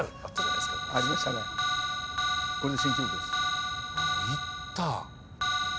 いった。